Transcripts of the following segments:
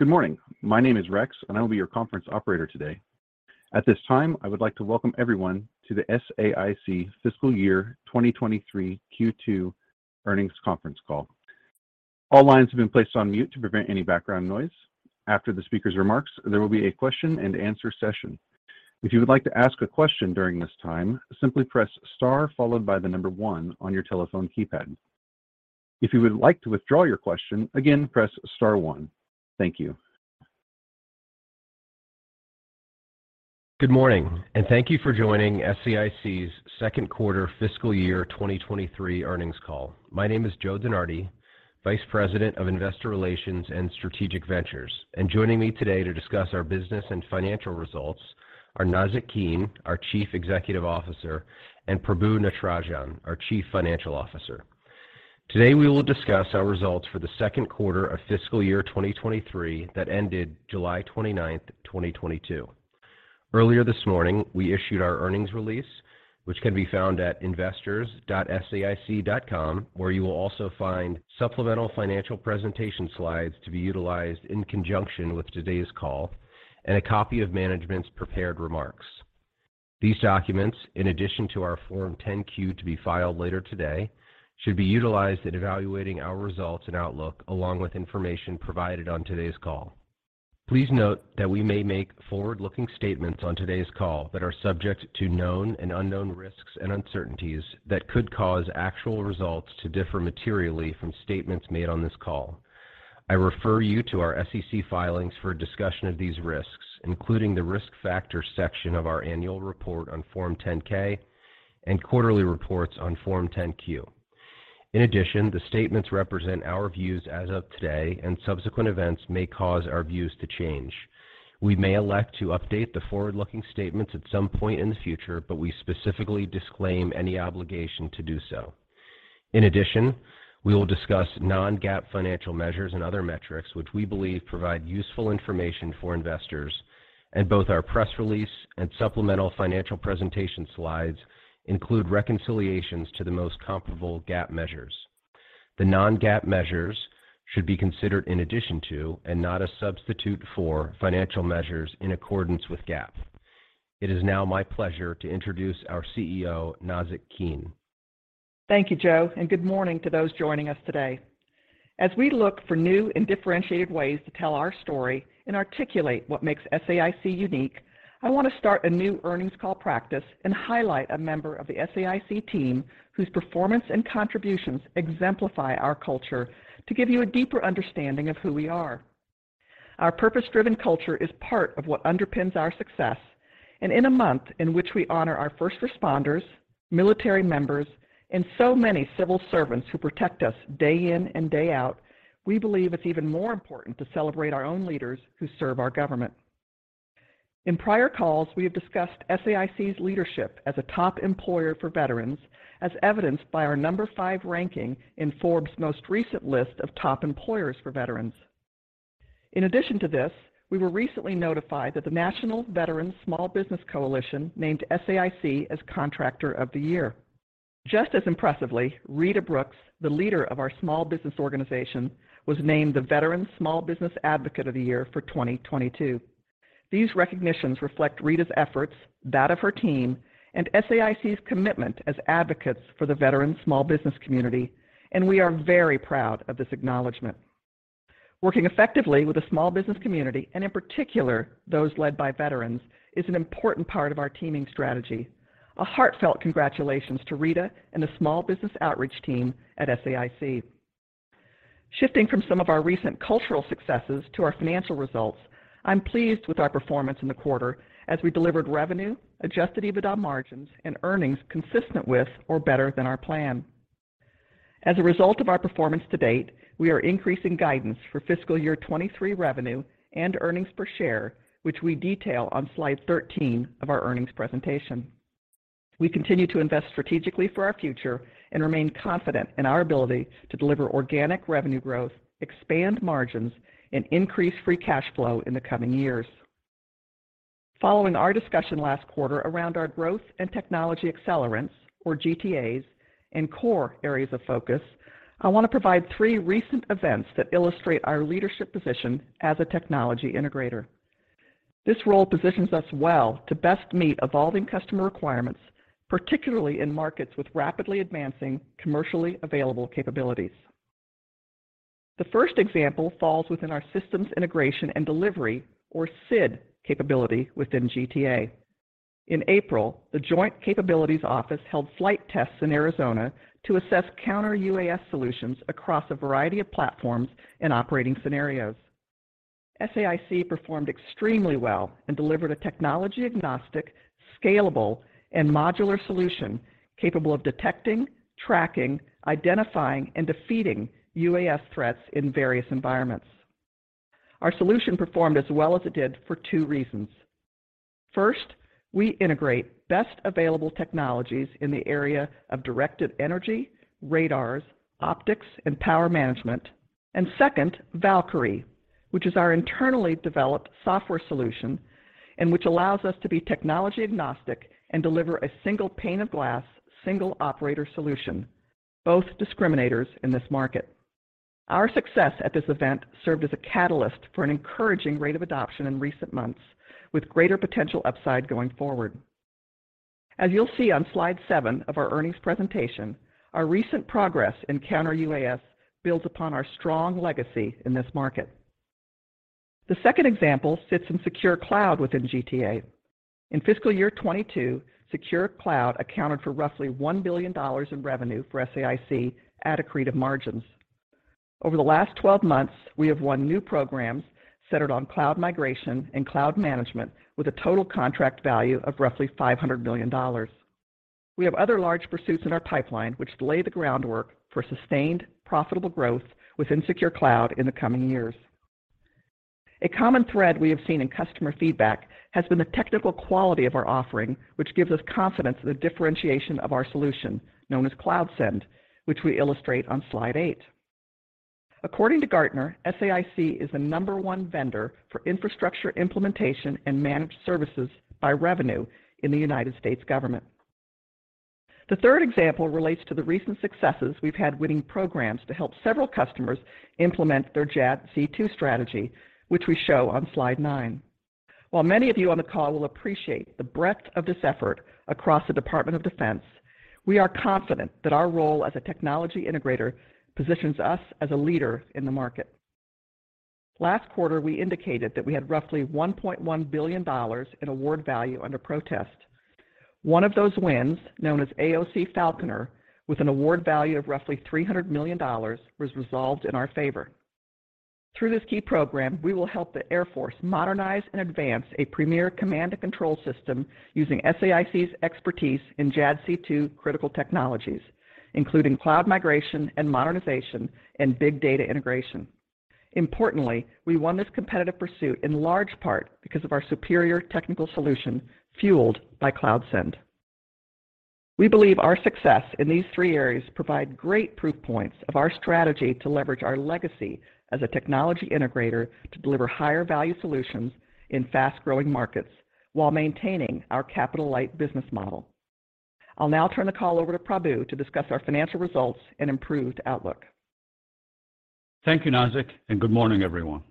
Good morning. My name is Rex, and I will be your conference operator today. At this time, I would like to welcome everyone to the SAIC Fiscal Year 2023 Q2 Earnings Conference Call. All lines have been placed on mute to prevent any background noise. After the speaker's remarks, there will be a question-and-answer session. If you would like to ask a question during this time, simply press star followed by the number one on your telephone keypad. If you would like to withdraw your question, again, press star one. Thank you. Good morning, and thank you for joining SAIC's second quarter fiscal year 2023 earnings call. My name is Joe DeNardi, Vice President of Investor Relations and Strategic Ventures. Joining me today to discuss our business and financial results are Nazzic Keene, our Chief Executive Officer, and Prabu Natarajan, our Chief Financial Officer. Today, we will discuss our results for the second quarter of fiscal year 2023 that ended July 29th, 2022. Earlier this morning, we issued our earnings release, which can be found at investors.saic.com, where you will also find supplemental financial presentation slides to be utilized in conjunction with today's call and a copy of management's prepared remarks. These documents, in addition to our Form 10-Q to be filed later today, should be utilized in evaluating our results and outlook along with information provided on today's call. Please note that we may make forward-looking statements on today's call that are subject to known and unknown risks and uncertainties that could cause actual results to differ materially from statements made on this call. I refer you to our SEC filings for a discussion of these risks, including the Risk Factors section of our annual report on Form 10-K and quarterly reports on Form 10-Q. In addition, the statements represent our views as of today, and subsequent events may cause our views to change. We may elect to update the forward-looking statements at some point in the future, but we specifically disclaim any obligation to do so. In addition, we will discuss non-GAAP financial measures and other metrics which we believe provide useful information for investors, and both our press release and supplemental financial presentation slides include reconciliations to the most comparable GAAP measures. The non-GAAP measures should be considered in addition to, and not a substitute for, financial measures in accordance with GAAP. It is now my pleasure to introduce our CEO, Nazzic Keene. Thank you, Joe, and good morning to those joining us today. As we look for new and differentiated ways to tell our story and articulate what makes SAIC unique, I want to start a new earnings call practice and highlight a member of the SAIC team whose performance and contributions exemplify our culture to give you a deeper understanding of who we are. Our purpose-driven culture is part of what underpins our success. In a month in which we honor our first responders, military members, and so many civil servants who protect us day in and day out, we believe it's even more important to celebrate our own leaders who serve our government. In prior calls, we have discussed SAIC's leadership as a top employer for veterans, as evidenced by our number five ranking in Forbes' most recent list of top employers for veterans. In addition to this, we were recently notified that the National Veteran Small Business Coalition named SAIC as Contractor of the Year. Just as impressively, Rita Brooks, the leader of our small business organization, was named the Veteran Small Business Advocate of the Year for 2022. These recognitions reflect Rita's efforts, that of her team, and SAIC's commitment as advocates for the veteran small business community, and we are very proud of this acknowledgment. Working effectively with the small business community, and in particular those led by veterans, is an important part of our teaming strategy. A heartfelt congratulations to Rita and the small business outreach team at SAIC. Shifting from some of our recent cultural successes to our financial results, I'm pleased with our performance in the quarter as we delivered revenue, adjusted EBITDA margins, and earnings consistent with or better than our plan. As a result of our performance to date, we are increasing guidance for fiscal year 2023 revenue and earnings per share, which we detail on slide 13 of our earnings presentation. We continue to invest strategically for our future and remain confident in our ability to deliver organic revenue growth, expand margins, and increase free cash flow in the coming years. Following our discussion last quarter around our growth and technology accelerants or GTAs and core areas of focus, I want to provide three recent events that illustrate our leadership position as a technology integrator. This role positions us well to best meet evolving customer requirements, particularly in markets with rapidly advancing commercially available capabilities. The first example falls within our systems integration and delivery or SID capability within GTA. In April, the Joint Capabilities Office held flight tests in Arizona to assess counter-UAS solutions across a variety of platforms and operating scenarios. SAIC performed extremely well and delivered a technology-agnostic, scalable, and modular solution capable of detecting, tracking, identifying, and defeating UAS threats in various environments. Our solution performed as well as it did for two reasons. First, we integrate best available technologies in the area of directed energy, radars, optics, and power management. Second, Valkyrie, which is our internally developed software solution and which allows us to be technology-agnostic and deliver a single pane of glass, single operator solution. Both discriminators in this market. Our success at this event served as a catalyst for an encouraging rate of adoption in recent months, with greater potential upside going forward. As you'll see on slide seven of our earnings presentation, our recent progress in counter-UAS builds upon our strong legacy in this market. The second example sits in secure cloud within GTA. In fiscal year 2022, secure cloud accounted for roughly $1 billion in revenue for SAIC at accretive margins. Over the last 12 months, we have won new programs centered on cloud migration and cloud management with a total contract value of roughly $500 million. We have other large pursuits in our pipeline which lay the groundwork for sustained, profitable growth within secure cloud in the coming years. A common thread we have seen in customer feedback has been the technical quality of our offering, which gives us confidence in the differentiation of our solution, known as CloudScend, which we illustrate on slide eight. According to Gartner, SAIC is the number one vendor for infrastructure implementation and managed services by revenue in the United States government. The third example relates to the recent successes we've had winning programs to help several customers implement their JADC2 strategy, which we show on slide nine. While many of you on the call will appreciate the breadth of this effort across the Department of Defense, we are confident that our role as a technology integrator positions us as a leader in the market. Last quarter, we indicated that we had roughly $1.1 billion in award value under protest. One of those wins, known as AOC Falconer, with an award value of roughly $300 million, was resolved in our favor. Through this key program, we will help the Air Force modernize and advance a premier command and control system using SAIC's expertise in JADC2 critical technologies, including cloud migration and modernization and big data integration. Importantly, we won this competitive pursuit in large part because of our superior technical solution fueled by CloudScend. We believe our success in these three areas provide great proof points of our strategy to leverage our legacy as a technology integrator to deliver higher value solutions in fast-growing markets while maintaining our capital-light business model. I'll now turn the call over to Prabu to discuss our financial results and improved outlook. Thank you, Nazzic, and good morning, everyone.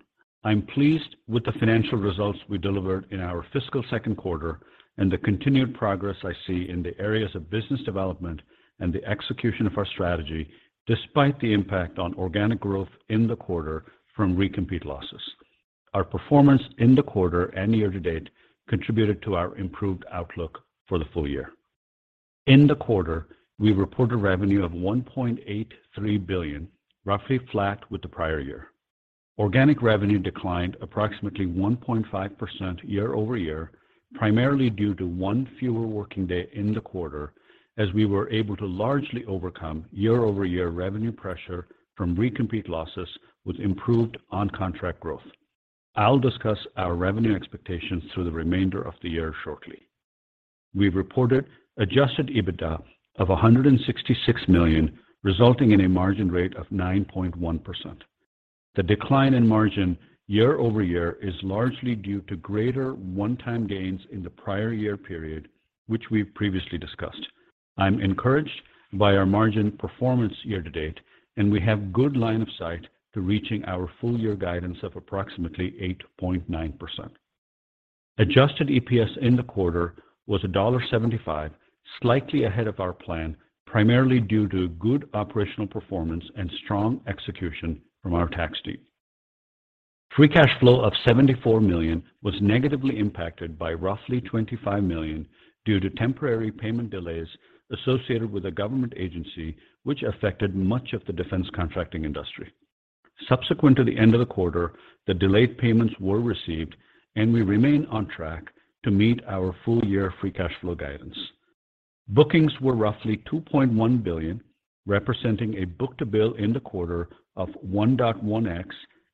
I'm pleased with the financial results we delivered in our fiscal second quarter and the continued progress I see in the areas of business development and the execution of our strategy, despite the impact on organic growth in the quarter from recompete losses. Our performance in the quarter and year to date contributed to our improved outlook for the full year. In the quarter, we reported revenue of $1.83 billion, roughly flat with the prior year. Organic revenue declined approximately 1.5% year-over-year, primarily due to one fewer working day in the quarter as we were able to largely overcome year-over-year revenue pressure from recompete losses with improved on-contract growth. I'll discuss our revenue expectations through the remainder of the year shortly. We reported adjusted EBITDA of $166 million, resulting in a margin rate of 9.1%. The decline in margin year-over-year is largely due to greater one-time gains in the prior year period, which we've previously discussed. I'm encouraged by our margin performance year to date, and we have good line of sight to reaching our full year guidance of approximately 8.9%. Adjusted EPS in the quarter was $1.75, slightly ahead of our plan, primarily due to good operational performance and strong execution from our tax team. Free cash flow of $74 million was negatively impacted by roughly $25 million due to temporary payment delays associated with a government agency which affected much of the defense contracting industry. Subsequent to the end of the quarter, the delayed payments were received and we remain on track to meet our full year free cash flow guidance. Bookings were roughly $2.1 billion, representing a book-to-bill in the quarter of 1.1x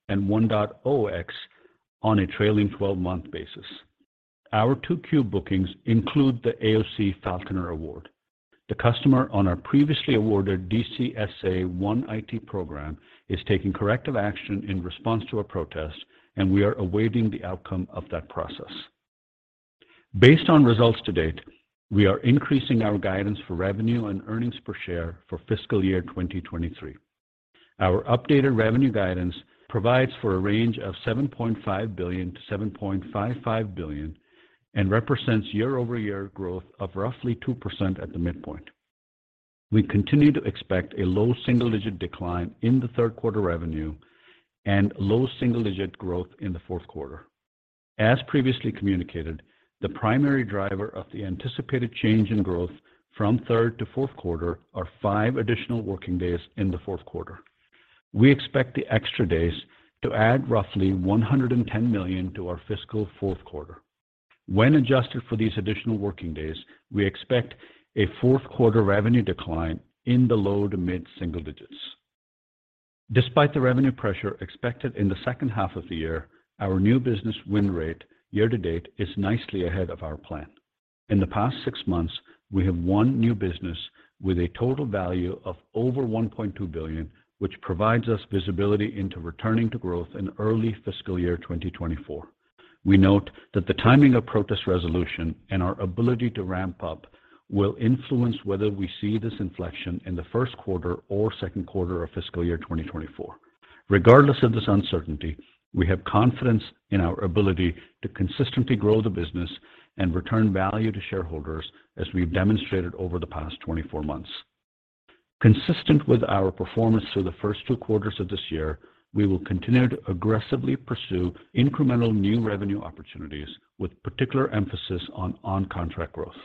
and 1.0x on a trailing 12-month basis. Our 2Q bookings include the AOC Falconer award. The customer on our previously awarded DCSA One IT program is taking corrective action in response to a protest, and we are awaiting the outcome of that process. Based on results to date, we are increasing our guidance for revenue and earnings per share for fiscal year 2023. Our updated revenue guidance provides for a range of $7.5 billion-$7.55 billion and represents year-over-year growth of roughly 2% at the midpoint. We continue to expect a low single-digit decline in the third quarter revenue and low single-digit growth in the fourth quarter. As previously communicated, the primary driver of the anticipated change in growth from third to fourth quarter are five additional working days in the fourth quarter. We expect the extra days to add roughly $110 million to our fiscal fourth quarter. When adjusted for these additional working days, we expect a fourth quarter revenue decline in the low to mid single digits. Despite the revenue pressure expected in the second half of the year, our new business win rate year to date is nicely ahead of our plan. In the past six months, we have won new business with a total value of over $1.2 billion, which provides us visibility into returning to growth in early fiscal year 2024. We note that the timing of protest resolution and our ability to ramp up will influence whether we see this inflection in the first quarter or second quarter of fiscal year 2024. Regardless of this uncertainty, we have confidence in our ability to consistently grow the business and return value to shareholders as we've demonstrated over the past 24 months. Consistent with our performance through the first two quarters of this year, we will continue to aggressively pursue incremental new revenue opportunities with particular emphasis on on-contract growth.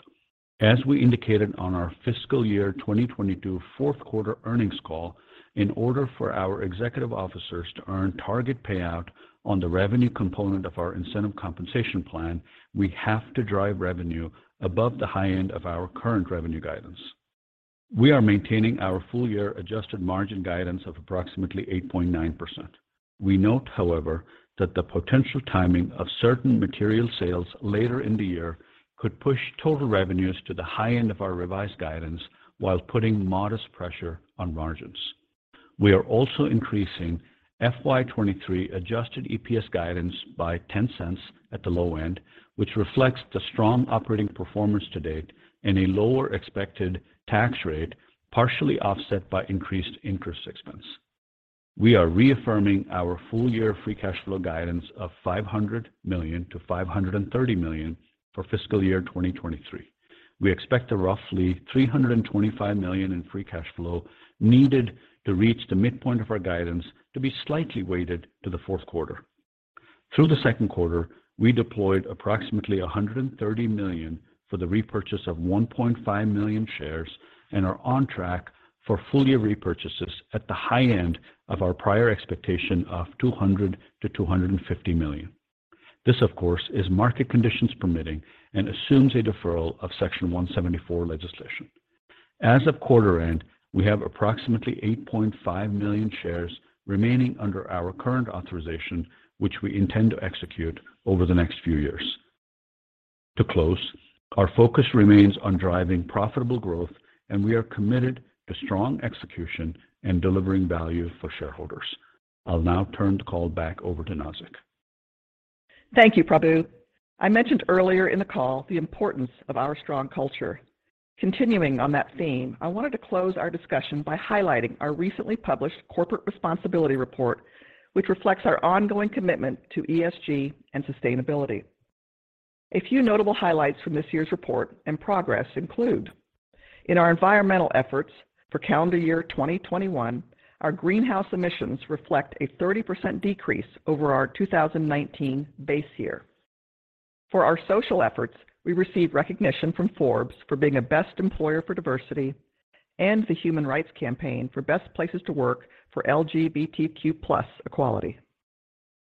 As we indicated on our fiscal year 2022 fourth quarter earnings call, in order for our executive officers to earn target payout on the revenue component of our incentive compensation plan, we have to drive revenue above the high end of our current revenue guidance. We are maintaining our full year adjusted margin guidance of approximately 8.9%. We note, however, that the potential timing of certain material sales later in the year could push total revenues to the high end of our revised guidance while putting modest pressure on margins. We are also increasing FY 2023 adjusted EPS guidance by $0.10 at the low end, which reflects the strong operating performance to date and a lower expected tax rate, partially offset by increased interest expense. We are reaffirming our full year free cash flow guidance of $500 million-$530 million for fiscal year 2023. We expect the roughly $325 million in free cash flow needed to reach the midpoint of our guidance to be slightly weighted to the fourth quarter. Through the second quarter, we deployed approximately $130 million for the repurchase of 1.5 million shares and are on track for full year repurchases at the high end of our prior expectation of $200 million-$250 million. This, of course, is market conditions permitting and assumes a deferral of Section 174 legislation. As of quarter end, we have approximately 8.5 million shares remaining under our current authorization, which we intend to execute over the next few years. To close, our focus remains on driving profitable growth, and we are committed to strong execution and delivering value for shareholders. I'll now turn the call back over to Nazzic. Thank you, Prabu. I mentioned earlier in the call the importance of our strong culture. Continuing on that theme, I wanted to close our discussion by highlighting our recently published corporate responsibility report, which reflects our ongoing commitment to ESG and sustainability. A few notable highlights from this year's report and progress include. In our environmental efforts for calendar year 2021, our greenhouse emissions reflect a 30% decrease over our 2019 base year. For our social efforts, we received recognition from Forbes for being a Best Employer for Diversity and the Human Rights Campaign for Best Places to Work for LGBTQ+ equality.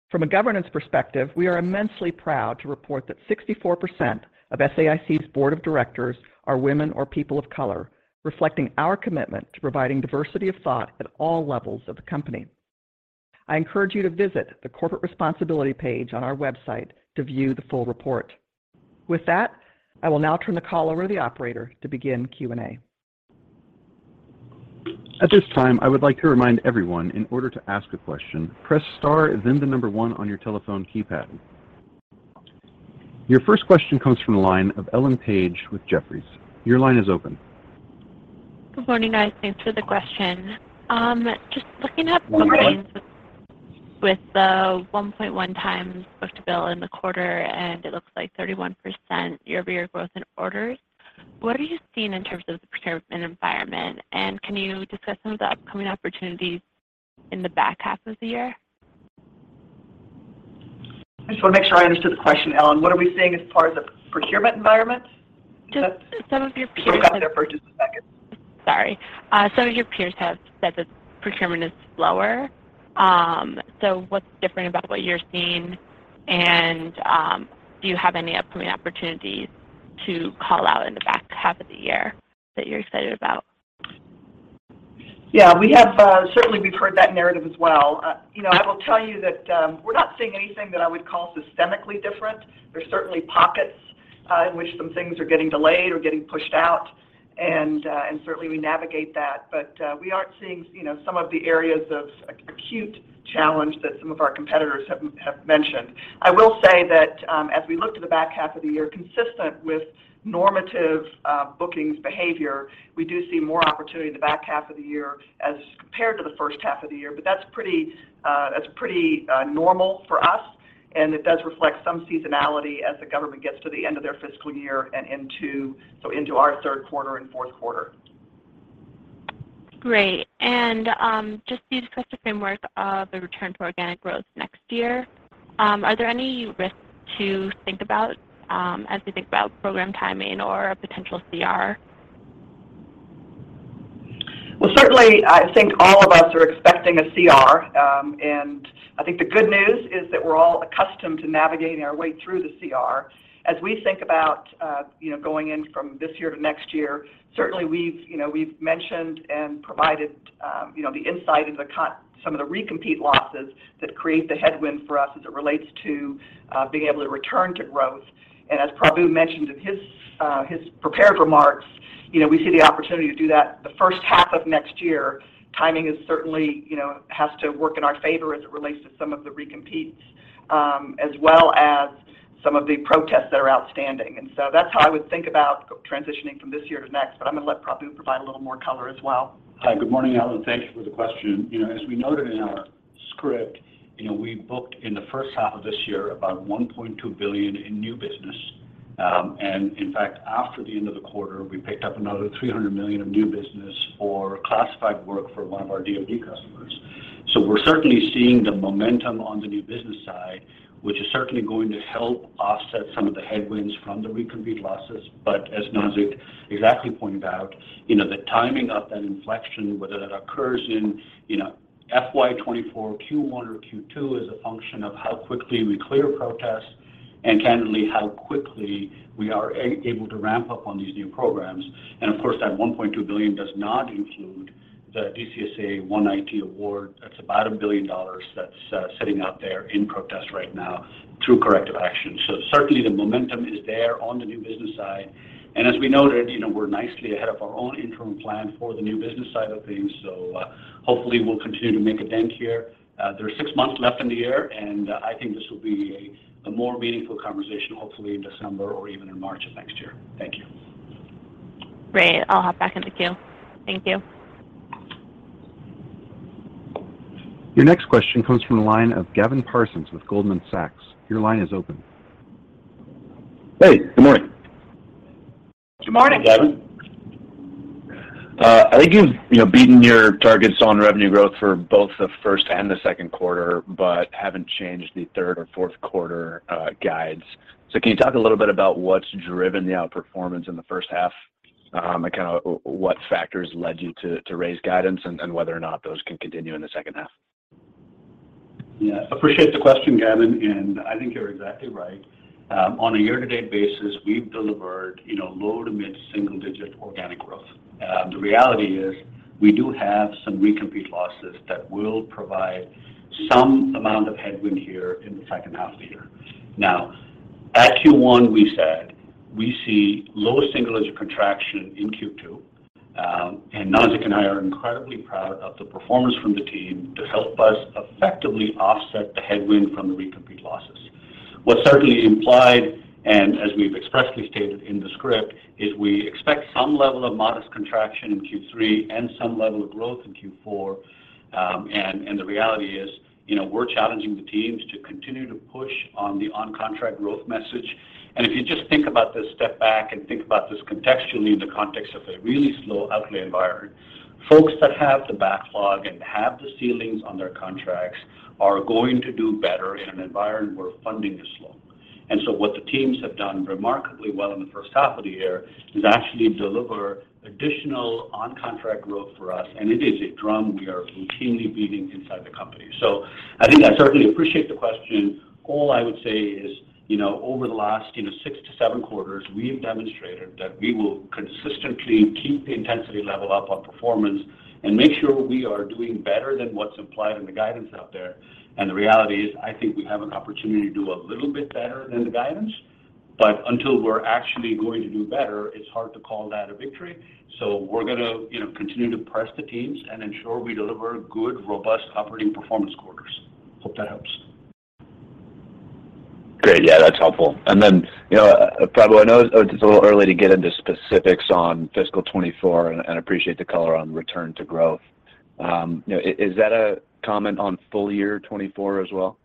From a governance perspective, we are immensely proud to report that 64% of SAIC's Board of Directors are women or people of color, reflecting our commitment to providing diversity of thought at all levels of the company. I encourage you to visit the corporate responsibility page on our website to view the full report. With that, I will now turn the call over to the operator to begin Q&A. At this time, I would like to remind everyone, in order to ask a question, press star then the number one on your telephone keypad. Your first question comes from the line ofEllen Page with Jefferies. Your line is open. Good morning, guys. Thanks for the question. Just looking at the- Good morning. ...with the 1.1 times book-to-bill in the quarter, and it looks like 31% year-over-year growth in orders, what are you seeing in terms of the procurement environment? And can you discuss some of the upcoming opportunities in the back half of the year? I just want to make sure I understood the question, Ellen. What are we seeing as far as the procurement environment? Is that? Just some of your peers have. Let me go back there for just a second. Some of your peers have said that procurement is slower. What's different about what you're seeing? Do you have any upcoming opportunities to call out in the back half of the year that you're excited about? Yeah, we have. Certainly, we've heard that narrative as well. You know, I will tell you that we're not seeing anything that I would call systemically different. There's certainly pockets in which some things are getting delayed or getting pushed out and certainly we navigate that. We aren't seeing, you know, some of the areas of acute challenge that some of our competitors have mentioned. I will say that as we look to the back half of the year, consistent with normative bookings behavior, we do see more opportunity in the back half of the year as compared to the first half of the year. That's pretty normal for us, and it does reflect some seasonality as the government gets to the end of their fiscal year and into our third quarter and fourth quarter. Great. Just as you discuss the framework of the return to organic growth next year, are there any risks to think about, as we think about program timing or a potential CR? Well, certainly I think all of us are expecting a CR. I think the good news is that we're all accustomed to navigating our way through the CR. As we think about, you know, going in from this year to next year, certainly we've, you know, we've mentioned and provided, you know, the insight into some of the recompete losses that create the headwind for us as it relates to, being able to return to growth. As Prabu mentioned in his prepared remarks, you know, we see the opportunity to do that the first half of next year. Timing is certainly, you know, has to work in our favor as it relates to some of the recompetes, as well as some of the protests that are outstanding. That's how I would think about transitioning from this year to next, but I'm gonna let Prabu provide a little more color as well. Hi. Good morning, Ellen. Thank you for the question. You know, as we noted in our script, you know, we booked in the first half of this year about $1.2 billion in new business. In fact, after the end of the quarter, we picked up another $300 million of new business for classified work for one of our DoD customers. We're certainly seeing the momentum on the new business side, which is certainly going to help offset some of the headwinds from the recompete losses. As Nazzic exactly pointed out, you know, the timing of that inflection, whether that occurs in, you know, FY 2024 Q1 or Q2 is a function of how quickly we clear protests and, candidly, how quickly we are able to ramp up on these new programs. Of course, that $1.2 billion does not include the DCSA One IT award. That's about $1 billion that's sitting out there in protest right now through corrective action. Certainly the momentum is there on the new business side. As we noted, you know, we're nicely ahead of our own interim plan for the new business side of things, so hopefully we'll continue to make a dent here. There are six months left in the year, and I think this will be a more meaningful conversation hopefully in December or even in March of next year. Thank you. Great. I'll hop back in the queue. Thank you. Your next question comes from the line of Gavin Parsons with Goldman Sachs. Your line is open. Hey, good morning. Good morning. Good morning, Gavin. I think you've, you know, beaten your targets on revenue growth for both the first and the second quarter but haven't changed the third or fourth quarter guides. Can you talk a little bit about what's driven the outperformance in the first half, and kinda what factors led you to raise guidance and whether or not those can continue in the second half? Yeah. Appreciate the question, Gavin, and I think you're exactly right. On a year-to-date basis, we've delivered, you know, low- to mid-single-digit organic growth. The reality is we do have some recompete losses that will provide some amount of headwind here in the second half of the year. Now, at Q1 we said we see low-single-digit contraction in Q2, and Nazzic and I are incredibly proud of the performance from the team to help us effectively offset the headwind from the recompete losses. What certainly implied, and as we've expressly stated in the script, is we expect some level of modest contraction in Q3 and some level of growth in Q4. The reality is, you know, we're challenging the teams to continue to push on the on-contract growth message. If you just think about this, step back and think about this contextually in the context of a really slow outlay environment, folks that have the backlog and have the ceilings on their contracts are going to do better in an environment where funding is slow. What the teams have done remarkably well in the first half of the year is actually deliver additional on-contract growth for us, and it is a drum we are routinely beating inside the company. I think I certainly appreciate the question. All I would say is, you know, over the last, you know, six to seven quarters, we have demonstrated that we will consistently keep the intensity level up on performance and make sure we are doing better than what's implied in the guidance out there. The reality is, I think we have an opportunity to do a little bit better than the guidance, but until we're actually going to do better, it's hard to call that a victory. We're gonna, you know, continue to press the teams and ensure we deliver good, robust operating performance quarters. Hope that helps. Great. Yeah, that's helpful. You know, Prabu, I know it's a little early to get into specifics on fiscal 2024 and appreciate the color on return to growth. You know, is that a comment on full year 2024 as well?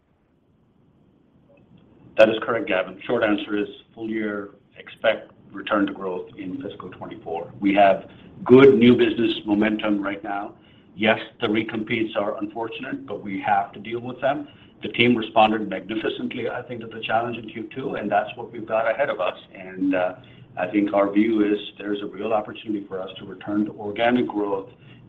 That is correct, Gavin. Short answer is full year expect return to growth in fiscal 2024. We have good new business momentum right now. Yes, the recompetes are unfortunate, but we have to deal with them. The team responded magnificently, I think, at the challenge in Q2, and that's what we've got ahead of us. I think our view is there's a real opportunity for us to return to organic growth,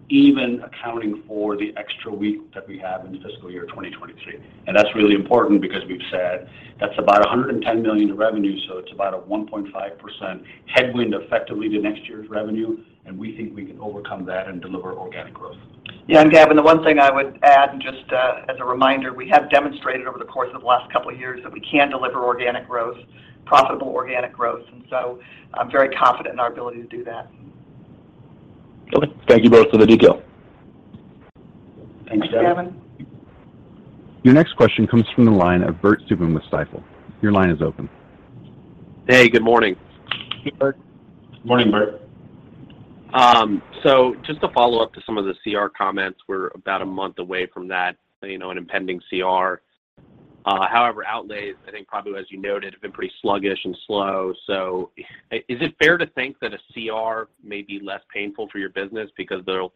even accounting for the extra week that we have in fiscal year 2023. That's really important because we've said that's about $110 million in revenue, so it's about a 1.5% headwind effectively to next year's revenue, and we think we can overcome that and deliver organic growth. Yeah, Gavin, the one thing I would add and just, as a reminder, we have demonstrated over the course of the last couple of years that we can deliver organic growth, profitable organic growth. I'm very confident in our ability to do that. Okay. Thank you both for the detail. Thanks, Gavin. Thanks, Gavin. Your next question comes from the line of Bert Subin with Stifel. Your line is open. Hey, good morning. Hey, Bert. Morning, Bert. Just to follow up to some of the CR comments, we're about a month away from that, you know, an impending CR. However, outlays, I think probably as you noted, have been pretty sluggish and slow. Is it fair to think that a CR may be less painful for your business because there'll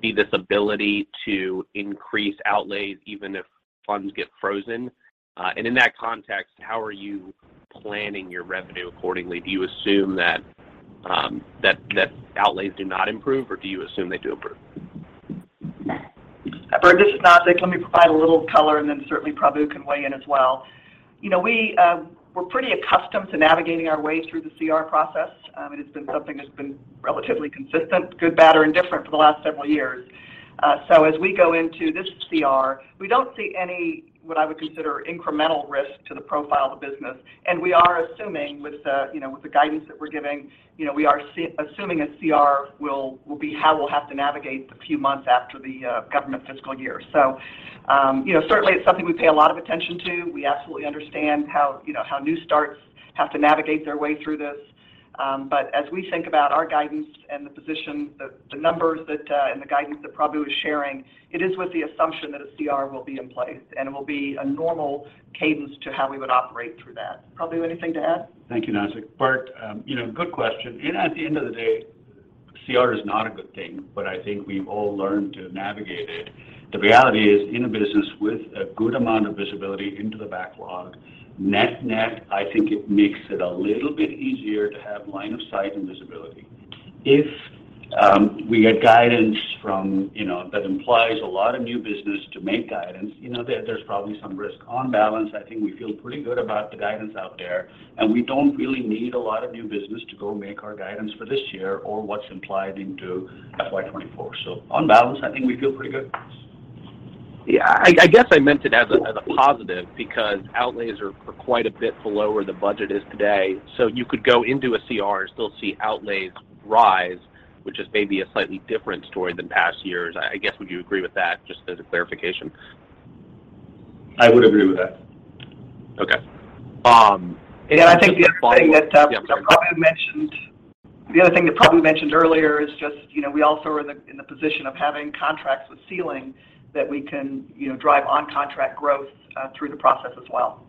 be this ability to increase outlays even if funds get frozen? In that context, how are you planning your revenue accordingly? Do you assume that outlays do not improve, or do you assume they do improve? Bert, this is Nazzic Keene. Let me provide a little color and then certainly Prabu can weigh in as well. You know, we're pretty accustomed to navigating our way through the CR process. I mean, it's been something that's been relatively consistent, good, bad, or indifferent for the last several years. As we go into this CR, we don't see any, what I would consider incremental risk to the profile of the business. We are assuming with the, you know, with the guidance that we're giving, you know, we are assuming a CR will be how we'll have to navigate the few months after the government fiscal year. Certainly it's something we pay a lot of attention to. We absolutely understand how, you know, how new starts have to navigate their way through this. As we think about our guidance and the position, the numbers and the guidance that Prabu is sharing, it is with the assumption that a CR will be in place, and it will be a normal cadence to how we would operate through that. Prabu, anything to add? Thank you, Nazzic. Bert, you know, good question. You know, at the end of the day, CR is not a good thing, but I think we've all learned to navigate it. The reality is, in a business with a good amount of visibility into the backlog, net-net, I think it makes it a little bit easier to have line of sight and visibility. If we get guidance from, you know, that implies a lot of new business to make guidance, you know, there's probably some risk on balance. I think we feel pretty good about the guidance out there, and we don't really need a lot of new business to go make our guidance for this year or what's implied into FY 2024. On balance, I think we feel pretty good. Yeah. I guess I meant it as a positive because outlays are quite a bit below where the budget is today. You could go into a CR and still see outlays rise, which is maybe a slightly different story than past years. I guess, would you agree with that, just as a clarification? I would agree with that. Okay. I think the other thing that Yeah. Prabu mentioned, the other thing that Prabu mentioned earlier is just, you know, we also are in the position of having contracts with ceiling that we can, you know, drive on contract growth through the process as well.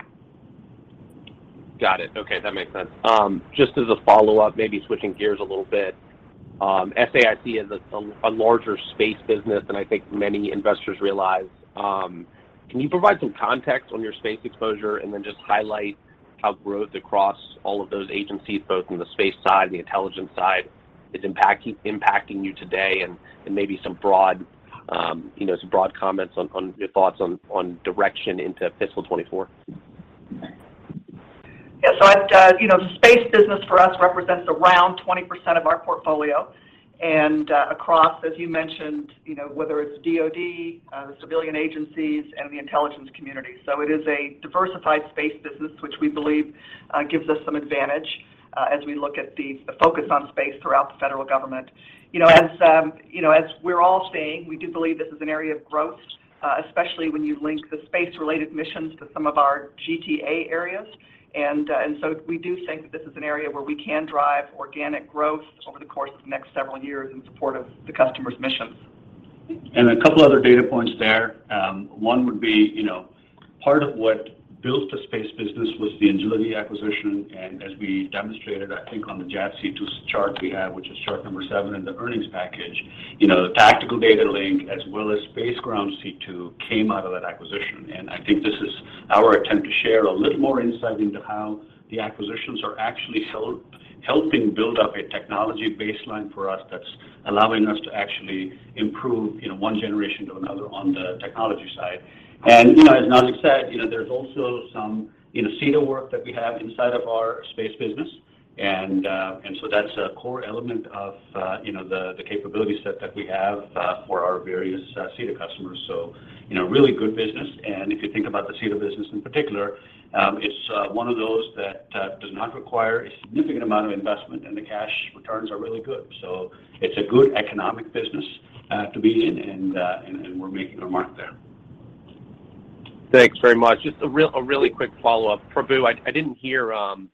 Got it. Okay. That makes sense. Just as a follow-up, maybe switching gears a little bit, SAIC is a larger space business than I think many investors realize. Can you provide some context on your space exposure, and then just highlight how growth across all of those agencies, both in the space side and the intelligence side, is impacting you today and maybe some broad, you know, some broad comments on your thoughts on direction into fiscal 2024? Yeah, I've, you know, the space business for us represents around 20% of our portfolio and, across, as you mentioned, you know, whether it's DoD, the civilian agencies and the intelligence community. It is a diversified space business, which we believe gives us some advantage, as we look at the focus on space throughout the federal government. You know, as you know, as we're all saying, we do believe this is an area of growth, especially when you link the space related missions to some of our GTA areas, and so we do think that this is an area where we can drive organic growth over the course of the next several years in support of the customer's missions. A couple other data points there. One would be, you know, part of what built the space business was the Engility acquisition. As we demonstrated, I think on the JADC2's chart we have, which is chart number seven in the earnings package, you know, the Tactical Data Link as well as space ground C2 came out of that acquisition. I think this is our attempt to share a little more insight into how the acquisitions are actually helping build up a technology baseline for us that's allowing us to actually improve, you know, one generation to another on the technology side. You know, as Nazzic said, you know, there's also some, you know, SETA work that we have inside of our space business. That's a core element of, you know, the capability set that we have for our various SETA customers. You know, really good business. If you think about the SETA business in particular, it's one of those that does not require a significant amount of investment, and the cash returns are really good. It's a good economic business to be in, and we're making our mark there. Thanks very much. Just a really quick follow-up. Prabu, I didn't hear an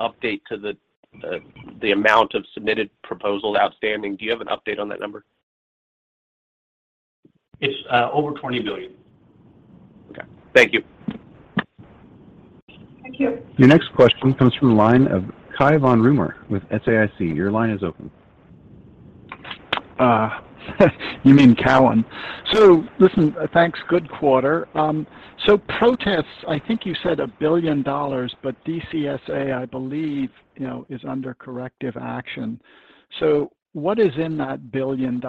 update to the amount of submitted proposals outstanding. Do you have an update on that number? It's over $20 billion. Okay. Thank you. Thank you. Your next question comes from the line of Cai von Rumohr with SAIC. Your line is open. You mean Cowen. Listen, thanks. Good quarter. Protests, I think you said $1 billion, but DCSA, I believe, you know, is under corrective action. What is in that $1 billion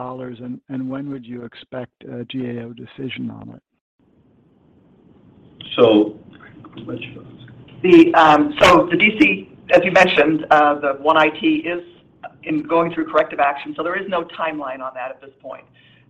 and when would you expect a GAO decision on it? So, Nazzic. The DCSA, as you mentioned, the One IT is going through corrective action, so there is no timeline on that at this point.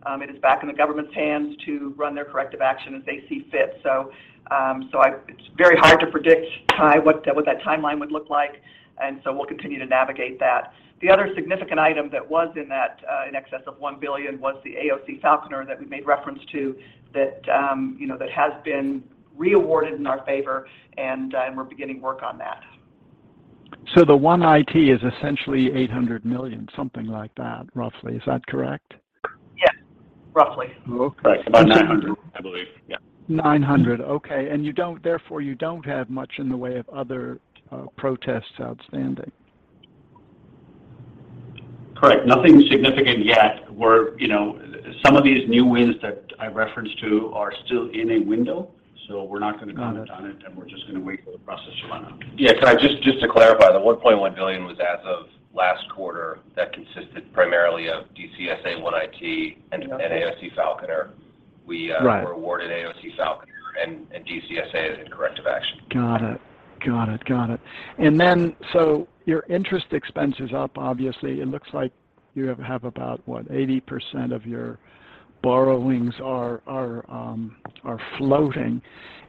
It is back in the government's hands to run their corrective action as they see fit. It's very hard to predict, Kai, what that timeline would look like, and we'll continue to navigate that. The other significant item that was in that in excess of $1 billion was the AOC Falconer that we made reference to that, you know, that has been re-awarded in our favor and we're beginning work on that. The One IT is essentially $800 million, something like that, roughly. Is that correct? Yes. Roughly. Okay. Right. About $900 million, I believe. Yeah. $900 million. Okay. You don't, therefore, have much in the way of other protests outstanding. Correct. Nothing significant yet. We're, you know, some of these new wins that I referenced to are still in a window, so we're not gonna comment on it. Got it. We're just gonna wait for the process to run out. Yeah. Cai, just to clarify, the $1.1 billion was as of last quarter that consisted primarily of DCSA One IT and AOC Falconer. We, uh- Right were awarded AOC Falconer and DCSA as a corrective action. Got it. Your interest expense is up, obviously. It looks like you have about what 80% of your borrowings are floating,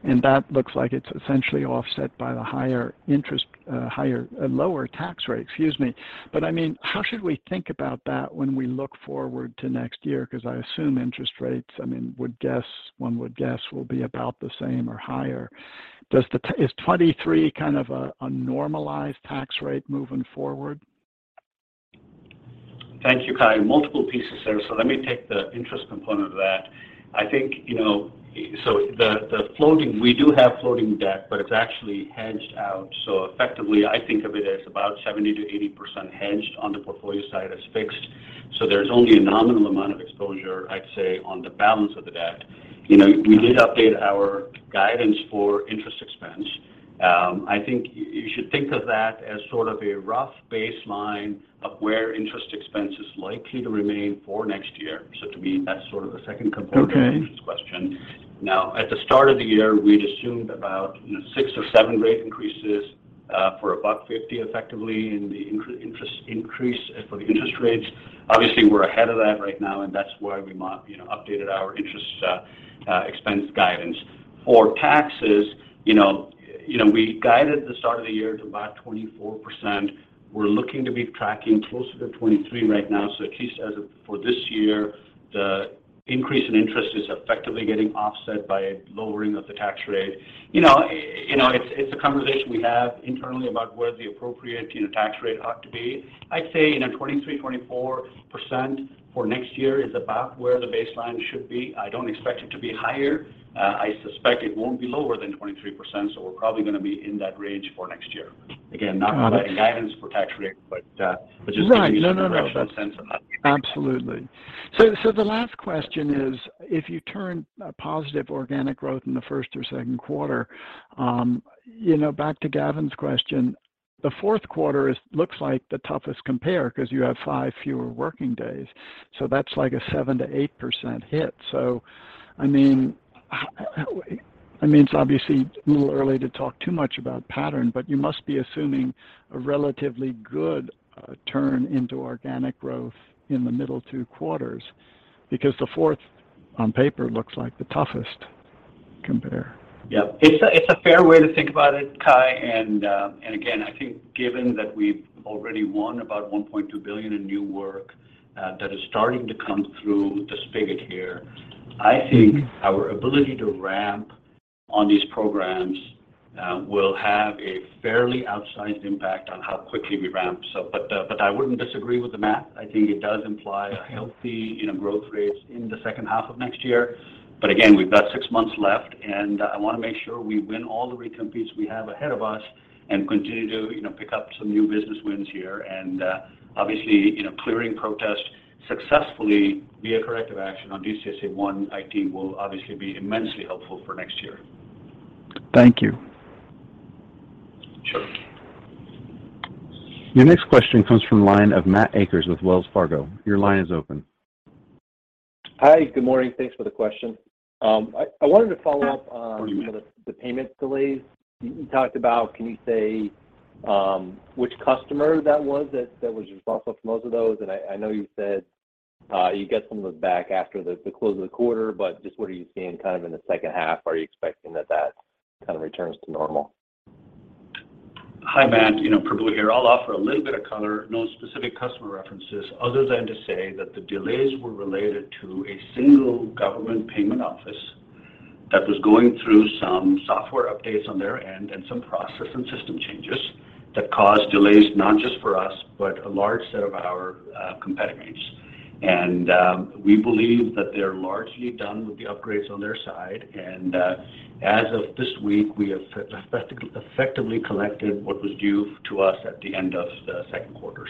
and that looks like it's essentially offset by the higher interest, lower tax rate, excuse me. I mean, how should we think about that when we look forward to next year? 'Cause I assume interest rates, I mean, would guess, one would guess will be about the same or higher. Does, is 23% kind of a normalized tax rate moving forward? Thank you, Cai. Multiple pieces there, so let me take the interest component of that. I think, you know, the floating, we do have floating debt, but it's actually hedged out. Effectively I think of it as about 70%-80% hedged on the portfolio side as fixed. There's only a nominal amount of exposure, I'd say, on the balance of the debt. You know, we did update our guidance for interest expense. I think you should think of that as sort of a rough baseline of where interest expense is likely to remain for next year. To me, that's sort of a second component. Okay of the interest question. Now, at the start of the year, we'd assumed about, you know, six or seven rate increases, for about 50 effectively in the interest increase, for the interest rates. Obviously we're ahead of that right now, and that's why we updated our interest expense guidance. For taxes, you know, we guided at the start of the year to about 24%. We're looking to be tracking closer to 23% right now. At least, for this year, the increase in interest is effectively getting offset by lowering of the tax rate. You know, it's a conversation we have internally about where the appropriate tax rate ought to be. I'd say, 23%, 24% for next year is about where the baseline should be. I don't expect it to be higher. I suspect it won't be lower than 23%, so we're probably gonna be in that range for next year. Again, not providing- Got it. Guidance for tax rate, just to give you some directional sense on that. Right. No, no. That's absolutely. The last question is, if you turn to positive organic growth in the first or second quarter, you know, back to Gavin's question, the fourth quarter looks like the toughest compare because you have five fewer working days, so that's like a 7%-8% hit. I mean, it's obviously a little early to talk too much about pattern, but you must be assuming a relatively good turn into organic growth in the middle two quarters because the fourth on paper looks like the toughest compare. Yeah. It's a fair way to think about it, Cai. Again, I think given that we've already won about $1.2 billion in new work, that is starting to come through the spigot here. Mm-hmm I think our ability to ramp on these programs will have a fairly outsized impact on how quickly we ramp. I wouldn't disagree with the math. I think it does imply a healthy, you know, growth rates in the second half of next year. We've got six months left, and I wanna make sure we win all the recompetes we have ahead of us and continue to, you know, pick up some new business wins here. Obviously, you know, clearing protests successfully via corrective action on DCSA One IT will obviously be immensely helpful for next year. Thank you. Sure. Your next question comes from the line of Matt Akers with Wells Fargo. Your line is open. Hi. Good morning. Thanks for the question. I wanted to follow up on. Prabu The payment delays you talked about. Can you say which customer that was responsible for most of those? I know you said you get some of those back after the close of the quarter, but just what are you seeing kind of in the second half? Are you expecting that kind of returns to normal? Hi, Matt. You know, Prabu here. I'll offer a little bit of color, no specific customer references other than to say that the delays were related to a single government payment office that was going through some software updates on their end and some process and system changes that caused delays, not just for us, but a large set of our competitors. We believe that they're largely done with the upgrades on their side. As of this week, we have effectively collected what was due to us at the end of the second quarter.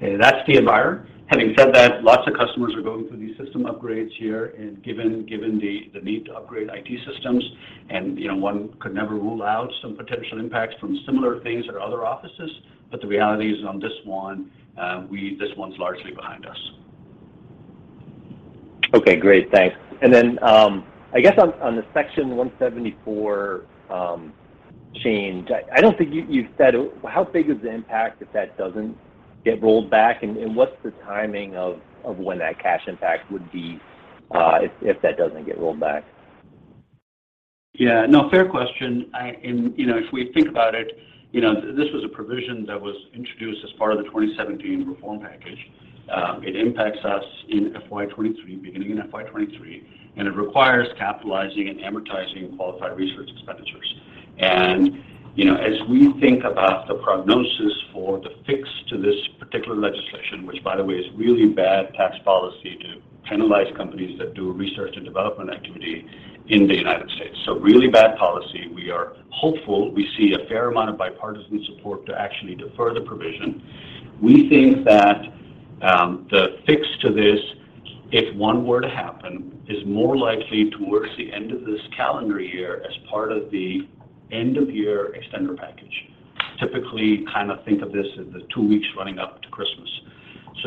That's the environment. Having said that, lots of customers are going through these system upgrades here, and given the need to upgrade IT systems and, you know, one could never rule out some potential impacts from similar things at other offices. The reality is on this one, this one's largely behind us. Okay. Great. Thanks. I guess on the Section 174 change, I don't think you said how big is the impact if that doesn't get rolled back, and what's the timing of when that cash impact would be if that doesn't get rolled back? Yeah. No. Fair question. You know, if we think about it, you know, this was a provision that was introduced as part of the 2017 reform package. It impacts us in FY 2023, beginning in FY 2023, and it requires capitalizing and amortizing qualified research expenditures. You know, as we think about the prognosis for the fix to this particular legislation, which by the way is really bad tax policy to penalize companies that do research and development activity in the United States. So really bad policy. We are hopeful. We see a fair amount of bipartisan support to actually defer the provision. We think that the fix to this, if one were to happen, is more likely towards the end of this calendar year as part of the end of year extender package. Typically, kind of think of this as the two weeks running up to Christmas.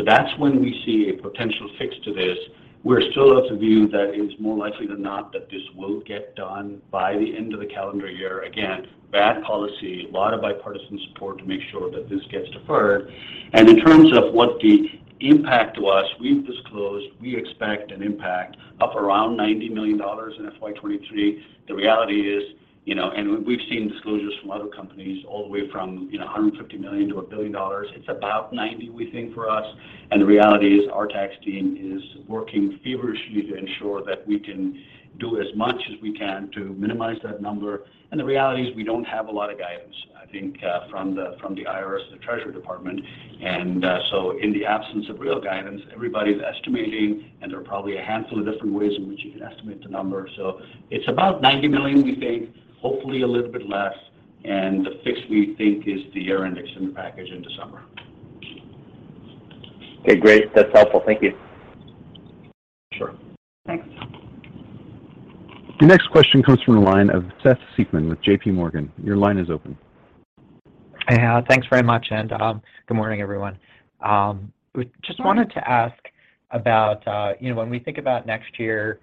That's when we see a potential fix to this. We're still of the view that it's more likely than not that this will get done by the end of the calendar year. Again, bad policy, a lot of bipartisan support to make sure that this gets deferred. In terms of what the impact to us, we've disclosed we expect an impact of around $90 million in FY 2023. The reality is, you know, and we've seen disclosures from other companies all the way from, you know, $150 million to $1 billion. It's about $90 million, we think, for us. The reality is our tax team is working feverishly to ensure that we can do as much as we can to minimize that number. The reality is we don't have a lot of guidance, I think, from the IRS or the Treasury Department. In the absence of real guidance, everybody's estimating, and there are probably a handful of different ways in which you can estimate the number. It's about $90 million, we think, hopefully a little bit less. The fix, we think, is the year-end extension package in December. Okay, great. That's helpful. Thank you. Sure. Thanks. The next question comes from the line of Seth Seifman with JP Morgan. Your line is open. Yeah. Thanks very much, and good morning, everyone. Just wanted to ask about, you know, when we think about next year,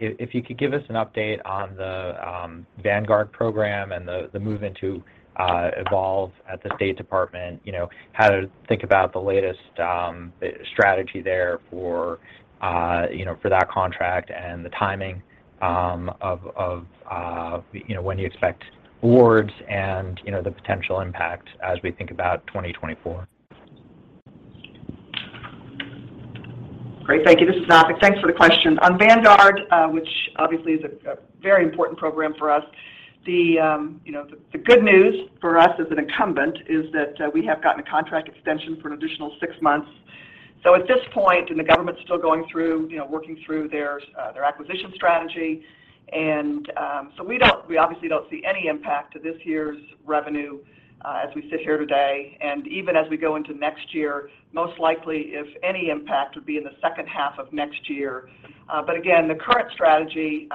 if you could give us an update on the Vanguard program and the move into Evolve at the Department of State, you know, how to think about the latest strategy there for, you know, for that contract and the timing of, you know, when you expect awards and, you know, the potential impact as we think about 2024. Great. Thank you. This is Nazzic. Thanks for the question. On Vanguard, which obviously is a very important program for us, you know, the good news for us as an incumbent is that we have gotten a contract extension for an additional six months. At this point, the government's still going through, you know, working through their acquisition strategy. We obviously don't see any impact to this year's revenue as we sit here today. Even as we go into next year, most likely if any impact would be in the second half of next year. But again, the current strategy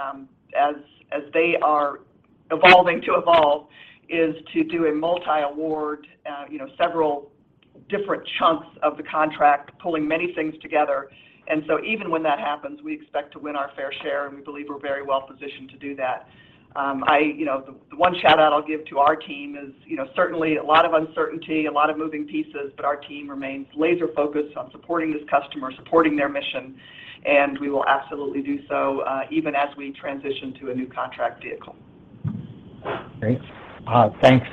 as they are evolving to Evolve is to do a multi-award, you know, several different chunks of the contract, pulling many things together. Even when that happens, we expect to win our fair share, and we believe we're very well positioned to do that. I, you know, the one shout-out I'll give to our team is, you know, certainly a lot of uncertainty, a lot of moving pieces, but our team remains laser-focused on supporting this customer, supporting their mission, and we will absolutely do so, even as we transition to a new contract vehicle. Great. Thanks.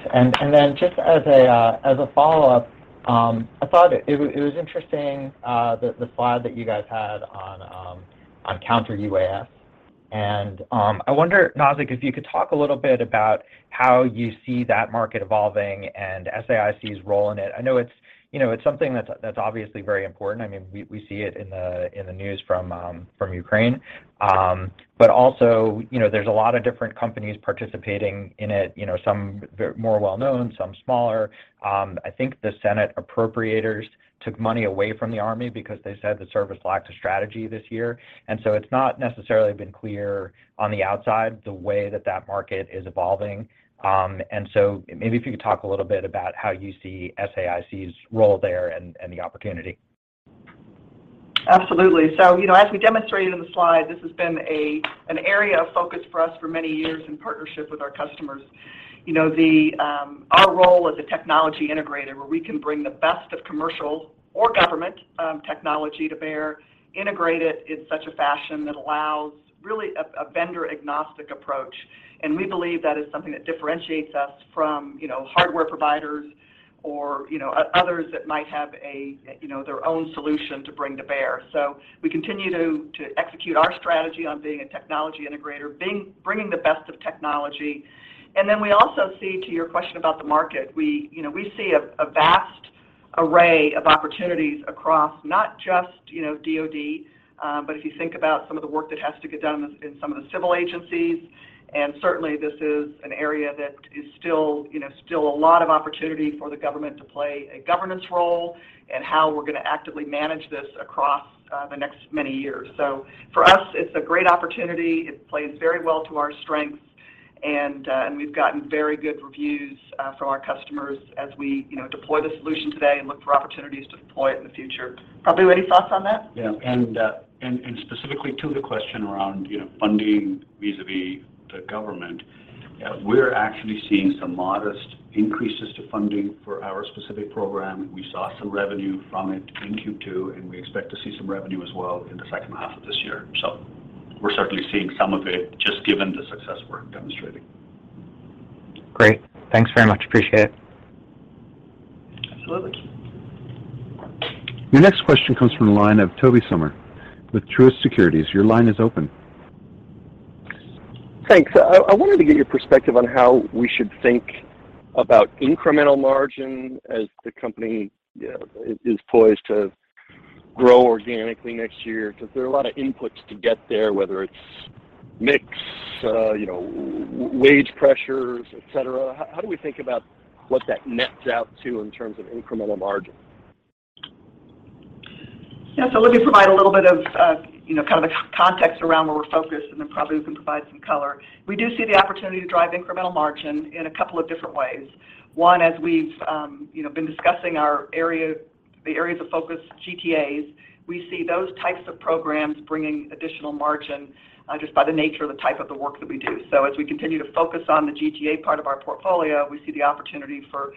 Just as a follow-up, I thought it was interesting, the slide that you guys had on counter-UAS. I wonder, Nazzic, if you could talk a little bit about how you see that market evolving and SAIC's role in it. I know it's you know it's something that's obviously very important. I mean, we see it in the news from Ukraine. Also, you know, there's a lot of different companies participating in it, you know, some very well known, some smaller. I think the Senate appropriators took money away from the Army because they said the service lacks a strategy this year. It's not necessarily been clear on the outside the way that market is evolving. Maybe if you could talk a little bit about how you see SAIC's role there and the opportunity. Absolutely. You know, as we demonstrated in the slide, this has been an area of focus for us for many years in partnership with our customers. You know, our role as a technology integrator, where we can bring the best of commercial or government technology to bear, integrate it in such a fashion that allows really a vendor-agnostic approach. We believe that is something that differentiates us from, you know, hardware providers or, you know, others that might have a, you know, their own solution to bring to bear. We continue to execute our strategy on being a technology integrator, bringing the best of technology. Then we also see, to your question about the market, we, you know, we see a vast array of opportunities across not just, you know, DoD, but if you think about some of the work that has to get done in some of the civil agencies. Certainly, this is an area that is still, you know, a lot of opportunity for the government to play a governance role and how we're gonna actively manage this across the next many years. For us, it's a great opportunity. It plays very well to our strengths. And we've gotten very good reviews from our customers as we, you know, deploy the solution today and look for opportunities to deploy it in the future. Prabu any thoughts on that? Specifically to the question around, you know, funding vis-à-vis the government, we're actually seeing some modest increases to funding for our specific program. We saw some revenue from it in Q2, and we expect to see some revenue as well in the second half of this year. We're certainly seeing some of it just given the success we're demonstrating. Great. Thanks very much. Appreciate it. Absolutely. Your next question comes from the line of Tobey Sommer with Truist Securities. Your line is open. Thanks. I wanted to get your perspective on how we should think about incremental margin as the company is poised to grow organically next year, because there are a lot of inputs to get there, whether it's mix, you know, wage pressures, et cetera. How do we think about what that nets out to in terms of incremental margin? Yeah. Let me provide a little bit of, you know, kind of a context around where we're focused, and then Prabu can provide some color. We do see the opportunity to drive incremental margin in a couple of different ways. One, as we've, you know, been discussing our areas of focus, GTAs, we see those types of programs bringing additional margin, just by the nature of the type of the work that we do. As we continue to focus on the GTA part of our portfolio, we see the opportunity for